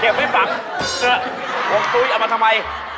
เก็บไว้ฝังห่วงสุ๊ยเอามาทำไม